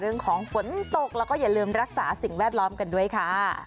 เรื่องของฝนตกแล้วก็อย่าลืมรักษาสิ่งแวดล้อมกันด้วยค่ะ